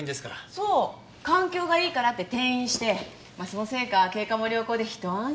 そう環境がいいからって転院してそのせいか経過も良好でひと安心。